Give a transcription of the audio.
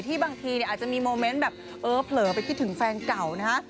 บางทีอาจจะมีโมเมนต์แบบเออเผลอไปคิดถึงแฟนเก่านะฮะ